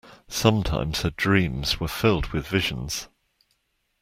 Sometimes her dreams were filled with visions.